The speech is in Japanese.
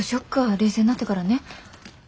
冷静になってからね。